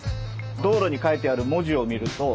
道路に書いてある文字を見ると。